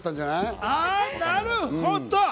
なるほど。